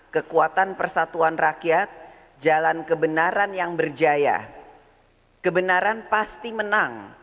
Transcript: kekuatan persatuan rakyat jalan kebenaran yang berjaya kebenaran pasti menang